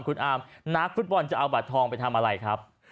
คุณอาร์มนักฟุตบอลจะเอาบัตรทองไปทำอะไรครับ